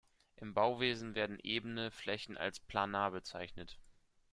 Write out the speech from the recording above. Im Bauwesen werden ebene Flächen als "planar" bezeichnet.